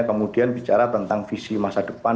kemudian bicara tentang visi masa depan